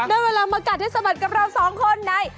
ได้เวลามากัดให้สะบัดกับเราสองคนใน